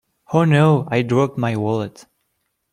Oh No! I dropped my wallet!